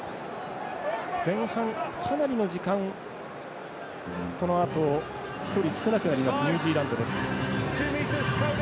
前半、かなりの時間このあと、１人少なくなりますニュージーランドです。